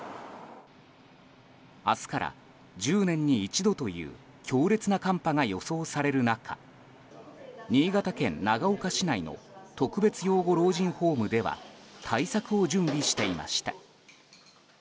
明日から、１０年に一度という強烈な寒波が予想される中新潟県長岡市内の特別養護老人ホームでは対策を準備していました。